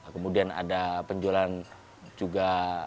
kemudian ada penjualan juga sablon cuki nih